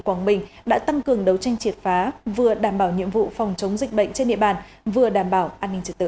quảng bình đã tăng cường đấu tranh triệt phá vừa đảm bảo nhiệm vụ phòng chống dịch bệnh trên địa bàn vừa đảm bảo an ninh trật tự